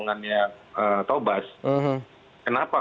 kalau menurut saya